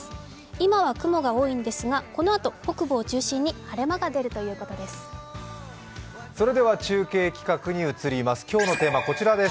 今は雲が多いんですが、このあと北部を中心に晴れ間が出るということです。